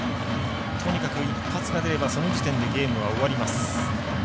とにかく一発が出ればその時点でゲームは終わります。